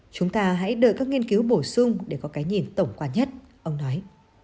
chúng ta hãy đợi các nghiên cứu bổ sung để có cái nhìn tổng quan nhất ông nói